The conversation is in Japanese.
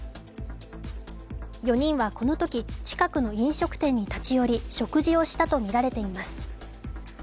４人はこのとき、近くの飲食店に立ち寄り、食事をしたとみられています。